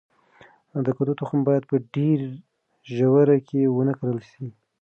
د کدو تخم باید په ډیره ژوره کې ونه کرل شي.